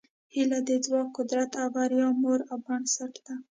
هیله د ځواک، قدرت او بریا مور او بنسټ ده.